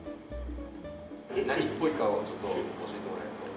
何っぽいかをちょっと教えてもらえると。